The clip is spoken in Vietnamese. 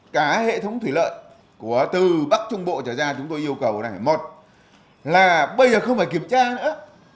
cả hệ thống thủy lợi từ bắc trung bộ trở ra chúng tôi yêu cầu này một là bây giờ không phải kiểm tra nữa